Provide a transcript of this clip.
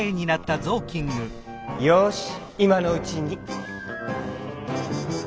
よしいまのうちに。